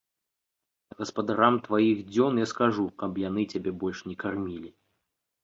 Гаспадарам тваіх дзён я скажу, каб яны цябе больш не кармілі.